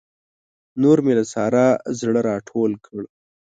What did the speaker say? نور مې له سارا زړه راټول کړ.